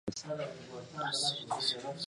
اقتباس: د عربي ژبي ټکى دئ.